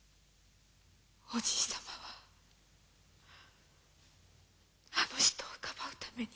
おじいさまはあの人をかばうために。